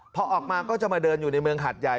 พอออกมาก็จะมาเดินอยู่ในเมืองหัดใหญ่